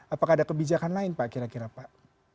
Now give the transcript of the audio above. apakah ada kebijakan lain pak kira kira pak